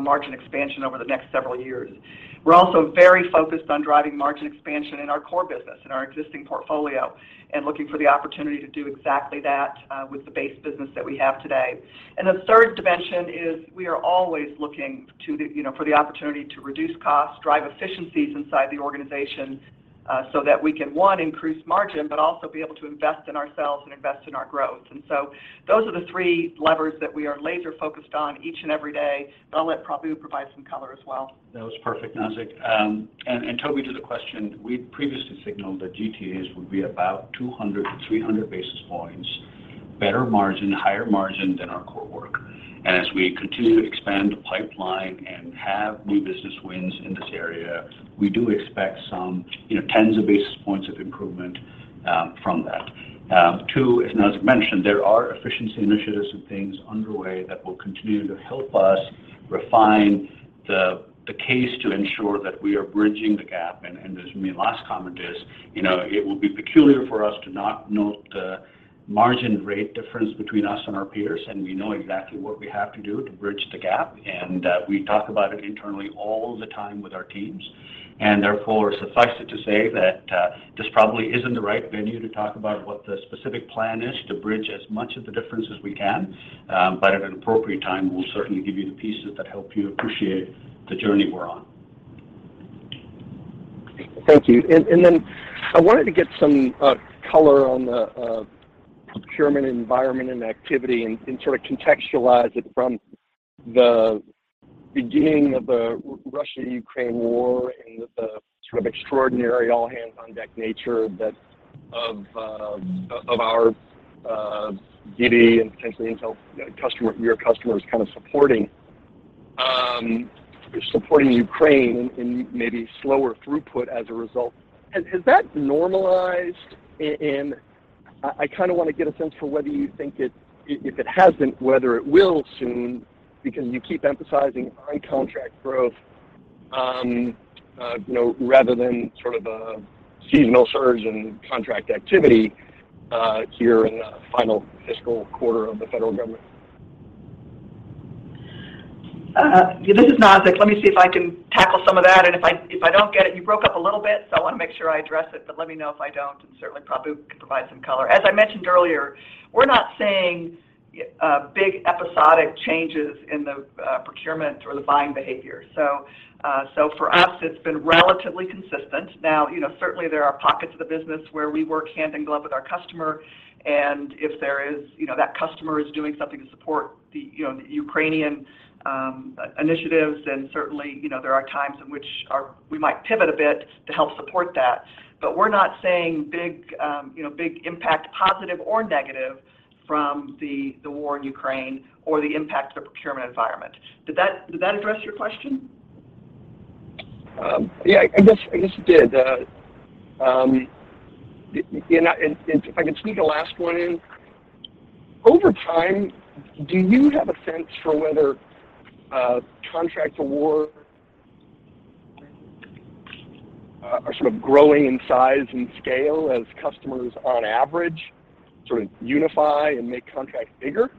margin expansion over the next several years. We're also very focused on driving margin expansion in our core business, in our existing portfolio, and looking for the opportunity to do exactly that, with the base business that we have today. The third dimension is we are always looking to the, you know, for the opportunity to reduce costs, drive efficiencies inside the organization, so that we can, one, increase margin, but also be able to invest in ourselves and invest in our growth. Those are the three levers that we are laser-focused on each and every day. I'll let Prabu provide some color as well. That was perfect, Nazzic. Tobey, to the question, we'd previously signaled that GTAs would be about 200-300 basis points better margin, higher margin than our core work. As we continue to expand the pipeline and have new business wins in this area, we do expect some, you know, tens of basis points of improvement from that. Two, as Nazzic mentioned, there are efficiency initiatives and things underway that will continue to help us refine the case to ensure that we are bridging the gap. Nazzic's last comment is, you know, it will be peculiar for us to not note the margin rate difference between us and our peers, and we know exactly what we have to do to bridge the gap. We talk about it internally all the time with our teams. Therefore, suffice it to say that this probably isn't the right venue to talk about what the specific plan is to bridge as much of the difference as we can. At an appropriate time, we'll certainly give you the pieces that help you appreciate the journey we're on. Thank you. Then I wanted to get some color on the procurement environment and activity and sort of contextualize it from the beginning of the Russia-Ukraine war and the sort of extraordinary all-hands-on-deck nature of our GD and potentially intelligence community customers kind of supporting Ukraine and maybe slower throughput as a result. Has that normalized? I kinda wanna get a sense for whether you think it, if it hasn't, whether it will soon, because you keep emphasizing on-contract growth, you know, rather than sort of a seasonal surge in contract activity here in the final fiscal quarter of the federal government. This is Nazzic. Let me see if I can tackle some of that. If I don't get it, you broke up a little bit, so I wanna make sure I address it. Let me know if I don't. Certainly Prabu can provide some color. As I mentioned earlier, we're not seeing big episodic changes in the procurement or the buying behavior. For us, it's been relatively consistent. Now, you know, certainly there are pockets of the business where we work hand in glove with our customer, and if there is, you know, that customer is doing something to support the, you know, the Ukrainian initiatives, then certainly, you know, there are times in which we might pivot a bit to help support that. We're not seeing big, you know, big impact, positive or negative from the war in Ukraine or the impact of the procurement environment. Did that address your question? Yeah. I guess it did. If I can sneak a last one in. Over time, do you have a sense for whether contract award are sort of growing in size and scale as customers on average sort of unify and make contracts bigger?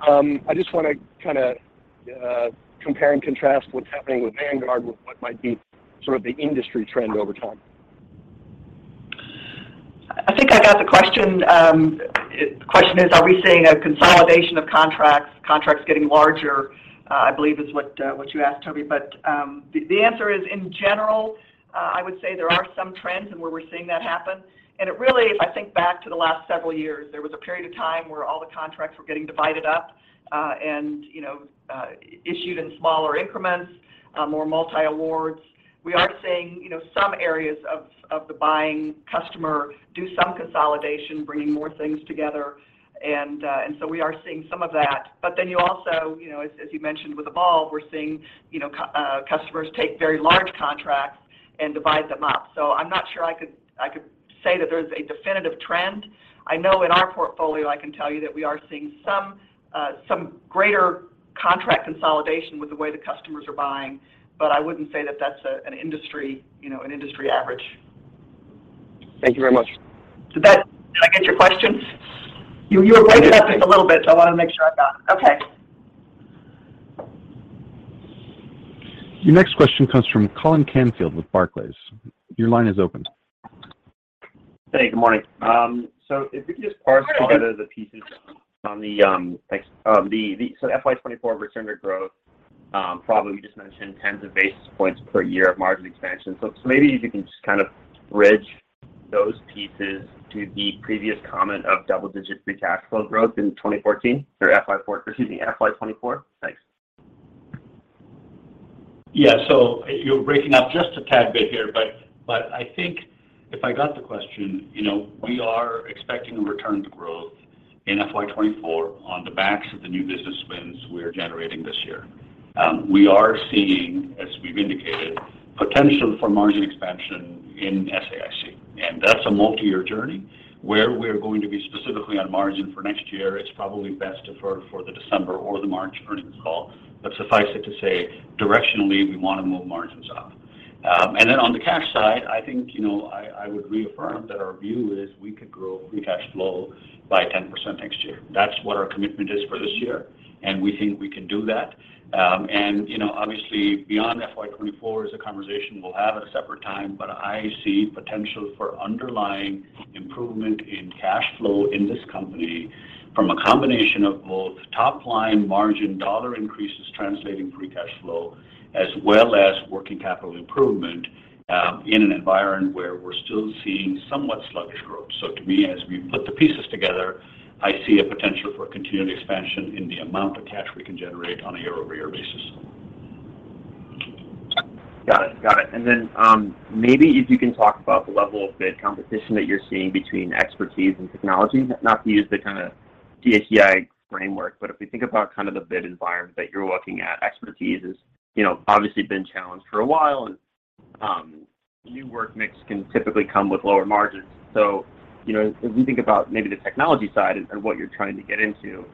I just wanna kinda compare and contrast what's happening with Vanguard with what might be sort of the industry trend over time. I think I got the question. The question is, are we seeing a consolidation of contracts getting larger, I believe is what you asked, Toby. The answer is, in general, I would say there are some trends and where we're seeing that happen. It really, if I think back to the last several years, there was a period of time where all the contracts were getting divided up, and you know, issued in smaller increments, more multi-awards. We are seeing, you know, some areas of the buying customer do some consolidation, bringing more things together. We are seeing some of that. You also, you know, as you mentioned with Evolve, we're seeing, you know, customers take very large contracts and divide them up. I'm not sure I could say that there's a definitive trend. I know in our portfolio, I can tell you that we are seeing some greater contract consolidation with the way the customers are buying, but I wouldn't say that that's an industry, you know, an industry average. Thank you very much. Did I get your questions? You were breaking up just a little bit, so I wanna make sure I got it. Okay. Your next question comes from Colin Canfield with Barclays. Your line is open. Hey, good morning. If we could just piece together the pieces on the FY 2024 return to growth, Prabu, you just mentioned tens of basis points per year of margin expansion. Maybe if you can just kind of bridge those pieces to the previous comment of double-digit free cash flow growth in FY 2024. Thanks. Yeah. You're breaking up just a tad bit here, but I think if I got the question, you know, we are expecting a return to growth in FY 2024 on the backs of the new business wins we're generating this year. We are seeing, as we've indicated, potential for margin expansion in SAIC, and that's a multiyear journey. Where we're going to be specifically on margin for next year, it's probably best deferred for the December or the March earnings call. Suffice it to say, directionally, we wanna move margins up. On the cash side, I think, you know, I would reaffirm that our view is we could grow free cash flow by 10% next year. That's what our commitment is for this year, and we think we can do that. You know, obviously, beyond FY 2024 is a conversation we'll have at a separate time, but I see potential for underlying improvement in cash flow in this company from a combination of both top line margin dollar increases translating free cash flow as well as working capital improvement, in an environment where we're still seeing somewhat sluggish growth. To me, as we put the pieces together, I see a potential for continued expansion in the amount of cash we can generate on a year-over-year basis. Got it. Maybe if you can talk about the level of bid competition that you're seeing between expertise and technology. Not to use the kinda CACI framework, but if we think about kind of the bid environment that you're looking at, expertise has, you know, obviously been challenged for a while and new work mix can typically come with lower margins. You know, if we think about maybe the technology side and what you're trying to get into,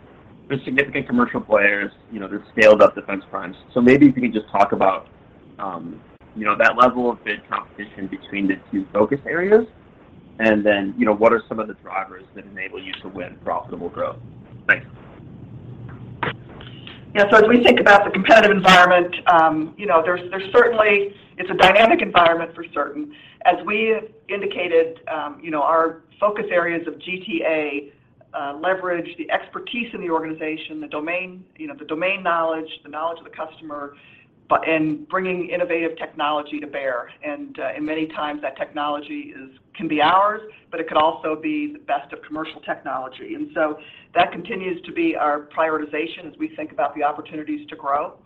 there's significant commercial players, you know, there's scaled up defense primes. Maybe if you could just talk about that level of bid competition between the two focus areas, and then what are some of the drivers that enable you to win profitable growth? Thanks. Yeah. As we think about the competitive environment, you know, there's certainly. It's a dynamic environment for certain. As we have indicated, you know, our focus areas of GTA leverage the expertise in the organization, the domain, you know, the domain knowledge, the knowledge of the customer, but in bringing innovative technology to bear. Many times that technology can be ours, but it could also be the best of commercial technology. That continues to be our prioritization as we think about the opportunities to grow.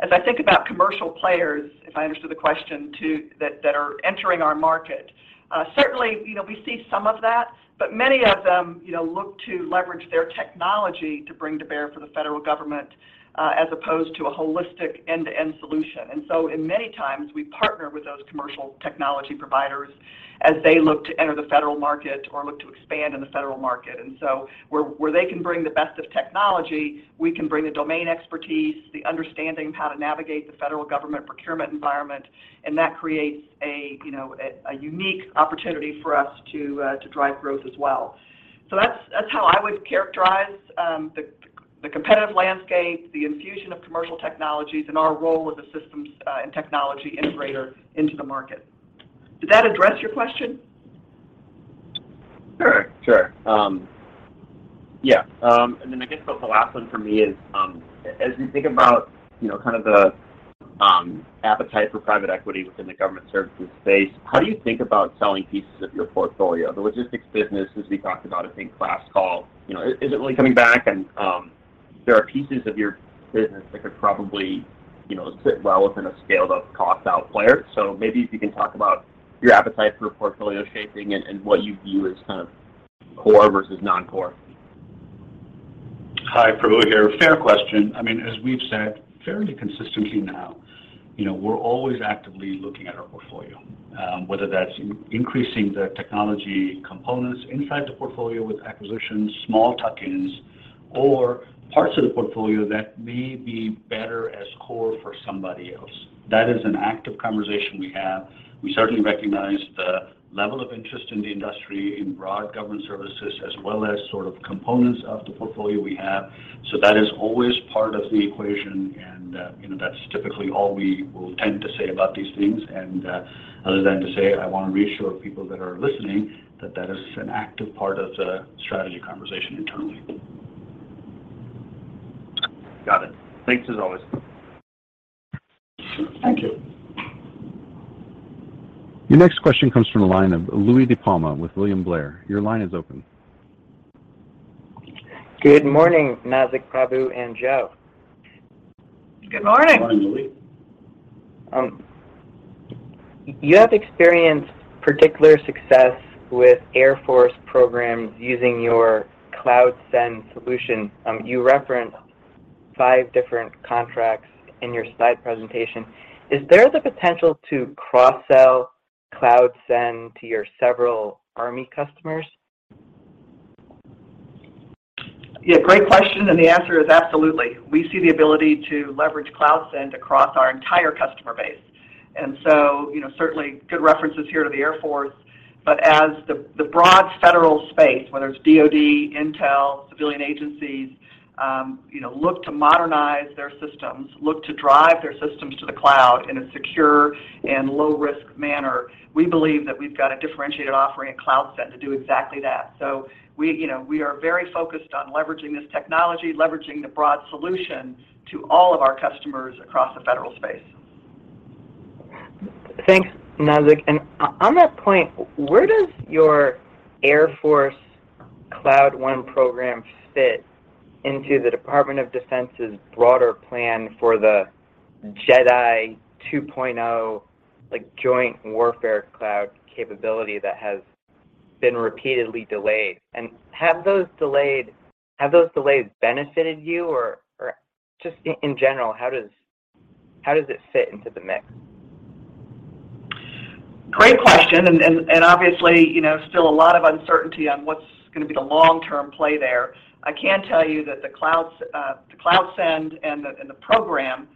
As I think about commercial players, if I understood the question, that are entering our market, certainly, you know, we see some of that, but many of them, you know, look to leverage their technology to bring to bear for the federal government, as opposed to a holistic end-to-end solution. In many times, we partner with those commercial technology providers as they look to enter the federal market or look to expand in the federal market. Where they can bring the best of technology, we can bring the domain expertise, the understanding of how to navigate the federal government procurement environment, and that creates a, you know, a unique opportunity for us to drive growth as well. That's how I would characterize the competitive landscape, the infusion of commercial technologies, and our role as a systems and technology integrator into the market. Did that address your question? Sure. I guess the last one from me is, as we think about, you know, kind of the appetite for private equity within the government services space, how do you think about selling pieces of your portfolio? The logistics business, as we talked about, I think, last call, you know, is it really coming back and there are pieces of your business that could probably, you know, sit well within a scaled up cost out player. Maybe if you can talk about your appetite for portfolio shaping and what you view as kind of core versus non-core. Hi. Prabu here. Fair question. I mean, as we've said fairly consistently now, you know, we're always actively looking at our portfolio, whether that's in increasing the technology components inside the portfolio with acquisitions, small tuck-ins, or parts of the portfolio that may be better as core for somebody else. That is an active conversation we have. We certainly recognize the level of interest in the industry in broad government services as well as sort of components of the portfolio we have. So that is always part of the equation and, you know, that's typically all we will tend to say about these things. other than to say I wanna reassure people that are listening that that is an active part of the strategy conversation internally. Got it. Thanks as always. Thank you. Your next question comes from the line of Louie DiPalma with William Blair. Your line is open. Good morning, Nazzic, Prabu, and Joe. Good morning. Morning, Louie. You have experienced particular success with Air Force programs using your CloudScend solution. You referenced five different contracts in your slide presentation. Is there the potential to cross-sell CloudScend to your several Army customers? Yeah. Great question, and the answer is absolutely. We see the ability to leverage CloudScend across our entire customer base. You know, certainly good references here to the Air Force, but as the broad federal space, whether it's DoD, intel, civilian agencies, you know, look to modernize their systems, look to drive their systems to the cloud in a secure and low risk manner, we believe that we've got a differentiated offering at CloudScend to do exactly that. We, you know, are very focused on leveraging this technology, leveraging the broad solution to all of our customers across the federal space. Thanks, Nazzic. On that point, where does your Air Force Cloud One program fit into the Department of Defense's broader plan for the JEDI 2.0, like, Joint Warfighting Cloud Capability that has been repeatedly delayed? Have those delays benefited you or just in general, how does it fit into the mix? Great question, obviously, you know, still a lot of uncertainty on what's gonna be the long-term play there. I can tell you that the clouds, the CloudScend and the program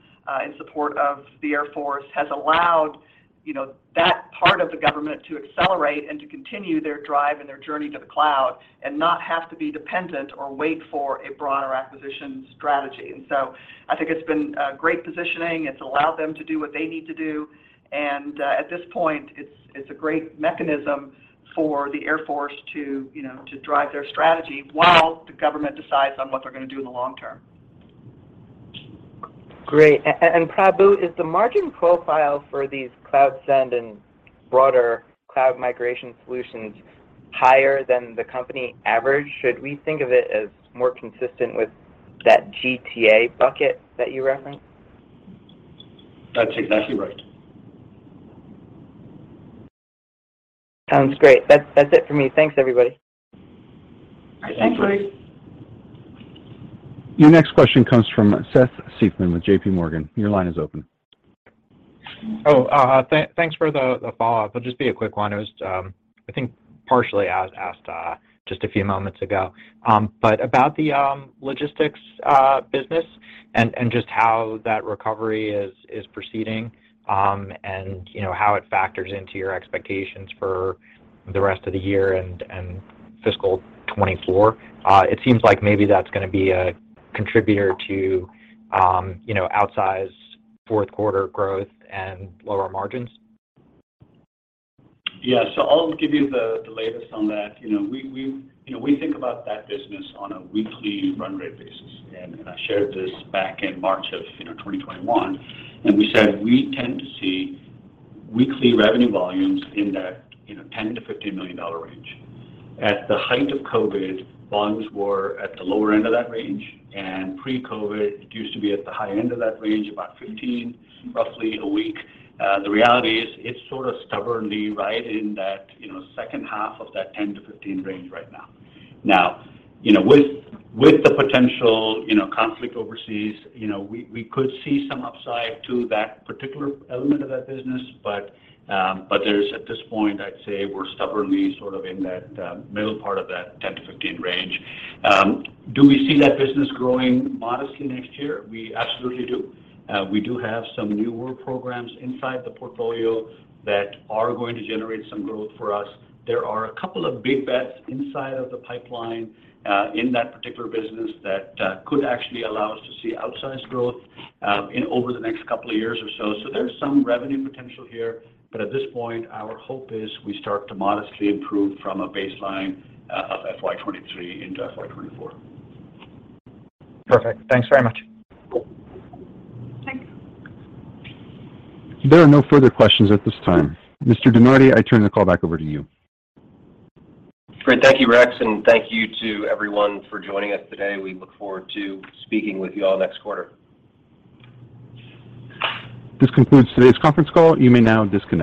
in support of the Air Force has allowed, you know, that part of the government to accelerate and to continue their drive and their journey to the cloud and not have to be dependent or wait for a broader acquisition strategy. I think it's been great positioning. It's allowed them to do what they need to do. At this point, it's a great mechanism for the Air Force to, you know, to drive their strategy while the government decides on what they're gonna do in the long term. Great. Prabu, is the margin profile for these CloudScend and broader cloud migration solutions higher than the company average? Should we think of it as more consistent with that GTA bucket that you referenced? That's exactly right. Sounds great. That's it for me. Thanks, everybody. Thanks, Louie. Your next question comes from Seth Seifman with J.P. Morgan. Your line is open. Thanks for the follow-up. It'll just be a quick one. It was, I think, partially asked just a few moments ago. About the logistics business and just how that recovery is proceeding, and, you know, how it factors into your expectations for the rest of the year and fiscal 2024. It seems like maybe that's gonna be a contributor to, you know, outsized fourth quarter growth and lower margins. Yeah. I'll give you the latest on that. You know, we think about that business on a weekly run rate basis, and I shared this back in March of 2021. We said we tend to see weekly revenue volumes in that $10 million-$15 million range. At the height of COVID, volumes were at the lower end of that range, and pre-COVID, it used to be at the high end of that range, about $15 million roughly a week. The reality is it's sort of stubbornly right in that second half of that $10 million-$15 million range right now. Now, you know, with the potential, you know, conflict overseas, you know, we could see some upside to that particular element of that business, but there's at this point, I'd say we're stubbornly sort of in that middle part of that $10 million-$15 million range. Do we see that business growing modestly next year? We absolutely do. We do have some newer programs inside the portfolio that are going to generate some growth for us. There are a couple of big bets inside of the pipeline in that particular business that could actually allow us to see outsized growth in over the next couple of years or so. There's some revenue potential here, but at this point, our hope is we start to modestly improve from a baseline of FY 2023 into FY 2024. Perfect. Thanks very much. Thanks. There are no further questions at this time. Mr. DeNardi, I turn the call back over to you. Great. Thank you, Rex, and thank you to everyone for joining us today. We look forward to speaking with you all next quarter. This concludes today's conference call. You may now disconnect.